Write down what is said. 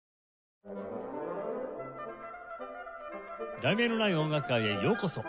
『題名のない音楽会』へようこそ。